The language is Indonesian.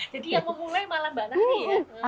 jadi yang mau mulai malam malam nih ya